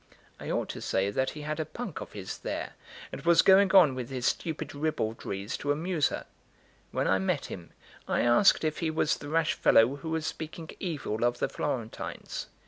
I ought to say that he had a punk of his there, and was going on with his stupid ribaldries to amuse her. When I met him, I asked if he was the rash fellow who was speaking evil of the Florentines.